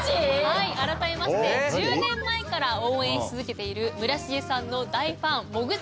はい改めまして１０年前から応援し続けている村重さんの大ファンもぐささんです。